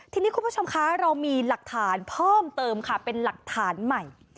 ทีนี้คุณผู้ชมคะเรามีหลักฐานเพิ่มเติมค่ะเป็นหลักฐานใหม่